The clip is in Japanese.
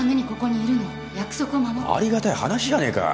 ありがたい話じゃねえか。